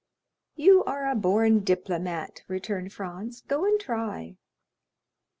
"You are a born diplomat," returned Franz; "go and try."